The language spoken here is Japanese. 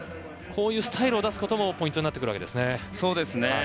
こういうスタイルを出すのもポイントになってくるわけですね。